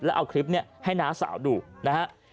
แล้วเอาคลิปนี้ให้น้าสาวดูนะฮะ